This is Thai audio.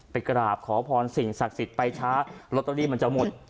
กราบขอพรสิ่งศักดิ์สิทธิ์ไปช้าลอตเตอรี่มันจะหมด